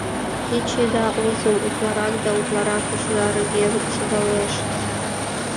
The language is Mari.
Кече еда озым утларак да утларак ужарген шогалеш.